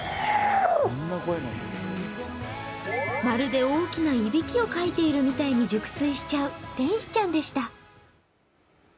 まるで大きないびきをかいてるみたいに熟睡しちゃう天使ちゃんでした。